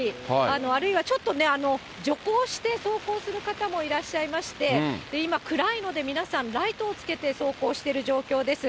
あるいはちょっと、徐行して走行する方もいらっしゃいまして、今、暗いので皆さんライトをつけて走行している状況です。